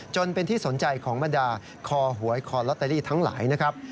จนเป็นที่สนใจของบรรดาคอหวยคอลอตเตอรี่ทั้งหลายนะครับ